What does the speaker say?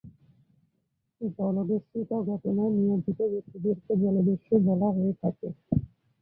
জলদস্যুতা ঘটনায় নিয়োজিত ব্যক্তিদেরকে জলদস্যু বলা হয়ে থাকে।